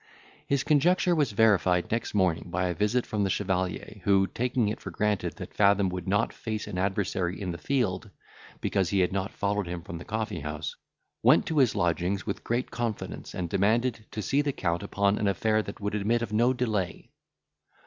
His conjecture was verified next morning by a visit from the chevalier, who, taking it for granted that Fathom would not face an adversary in the field, because he had not followed him from the coffee house, went to his lodgings with great confidence, and demanded to see the Count upon an affair that would admit of no delay.